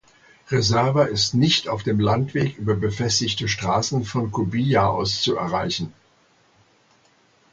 Reserva ist nicht auf dem Landweg über befestigte Straßen von "Cobija" aus zu erreichen.